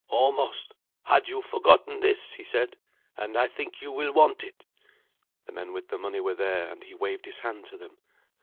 "Almost had you forgotten this," he said; "and I think you will want it." The men with the money were there, and he waved his hand to them.